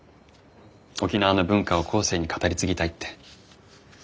沖縄の文化を後世に語り継ぎたいって。